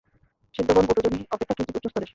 সিদ্ধগণ ভূতযোনি অপেক্ষা কিঞ্চিৎ উচ্চস্তরের।